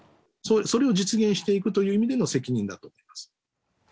それを実現していくという意味での責任だと思います。